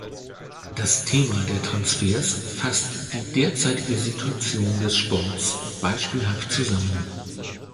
Das Thema der Transfers fasst die derzeitige Situation des Sports beispielhaft zusammen.